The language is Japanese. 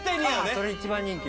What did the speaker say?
それ一番人気。